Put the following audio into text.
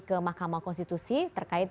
ke mahkamah konstitusi terkait